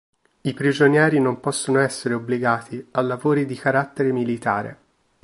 I prigionieri non possono essere obbligati a lavori di carattere militare.